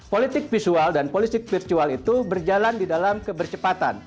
politik visual dan politik virtual itu berjalan di dalam kebercepatan